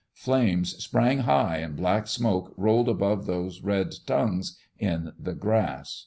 Flames sprang high and black smoke rolled above those red tongues in the grass.